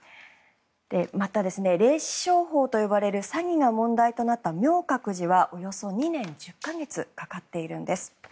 また、霊視商法と呼ばれる詐欺が問題となった明覚寺はおよそ２年１０か月かかっているんです。